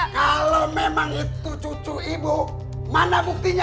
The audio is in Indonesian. kalau memang itu cucu ibu mana buktinya